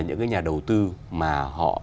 những cái nhà đầu tư mà họ